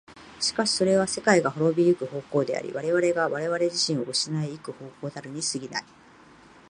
しかしそれは世界が亡び行く方向であり、我々が我々自身を失い行く方向たるに過ぎない。